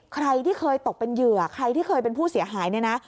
ใครที่เคยตกเป็นเหยื่อใครที่เคยเป็นผู้เสียหายเนี่ยนะ